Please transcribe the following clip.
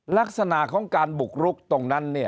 ลักษณะของการบุกรุกตรงนั้น